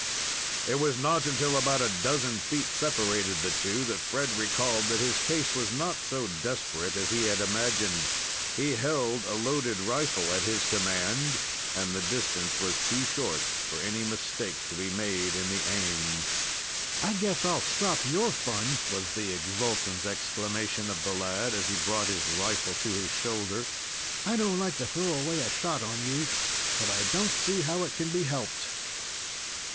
It was not until about a dozen feet separated the two that Fred recalled that his case was not so desperate as he had imagined. He held a loaded rifle at his command, and the distance was too short for any mistake to be made in the aim. "I guess I'll stop your fun!" was the exultant exclamation of the lad, as he brought his rifle to his shoulder. "I don't like to throw away a shot on you, but I don't see how it can be helped."